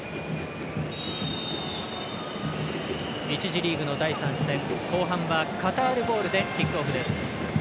１次リーグの第３戦後半はカタールボールでキックオフです。